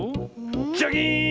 ジャキーン！